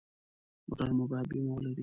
موټر مو باید بیمه ولري.